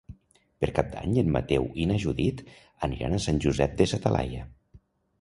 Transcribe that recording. Per Cap d'Any en Mateu i na Judit aniran a Sant Josep de sa Talaia.